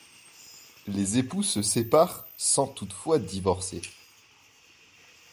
Les époux se séparent, sans toutefois divorcer.